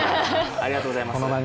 ありがとうございます。